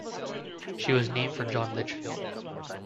She was named for John Litchfield.